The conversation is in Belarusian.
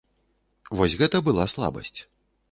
Вось гэта была слабасць.